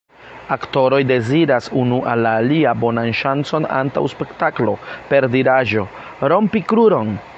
Aktoroj deziras unu al la alia bonan ŝancon antaŭ spektaklo per diraĵo "Rompi kruron!